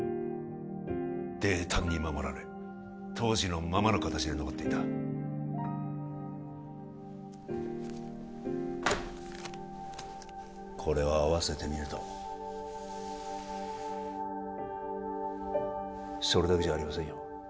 泥炭に守られ当時のままの形で残っていたこれを合わせてみるとそれだけじゃありませんよ